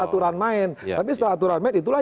aturan main tapi setelah aturan main itulah